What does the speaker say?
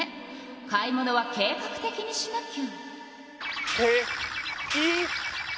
買い物は計画的にしなきゃ。